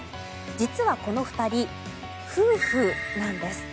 実は、この２人夫婦なんです。